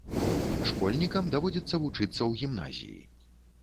Школьнікам даводзіцца вучыцца ў гімназіі.